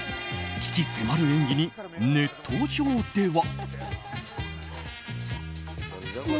鬼気迫る演技にネット上では。